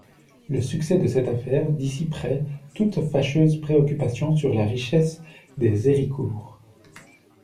Le succès de cette affaire dissiperait toute fâcheuse préoccupation sur la richesse des Héricourt.